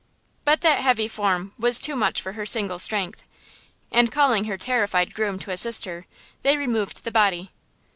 But that heavy form was too much for her single strength. And, calling her terrified groom to assist her, they removed the body.